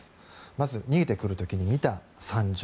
まず、逃げてくる時に見た惨状。